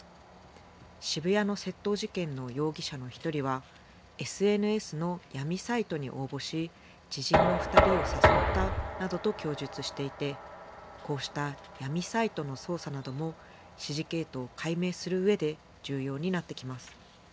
渋谷の窃盗事件の容疑者の１人はＳＮＳの闇サイトに応募し知人の２人を誘ったなどと供述していてこうした闇サイトの捜査なども指示系統を解明するうえで重要になってきます。